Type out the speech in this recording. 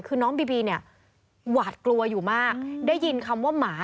คือน้องบีบีเนี่ยหวาดกลัวอยู่มากได้ยินคำว่าหมา